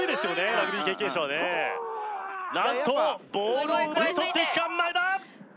ラグビー経験者はねパワーすごいななんとボールを奪い取っていくか真栄田！